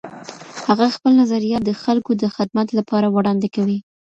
هغه خپل نظریات د خلګو د خدمت لپاره وړاندې کوي.